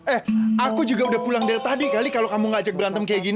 eh aku juga udah pulang dari tadi kali kalau kamu ngajak berantem kayak gini